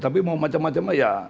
tapi mau macam macam aja